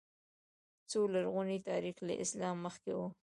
خو لرغونی تاریخ له اسلام مخکې و